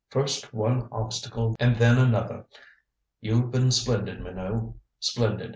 First one obstacle and then another. You've been splendid, Minot, splendid.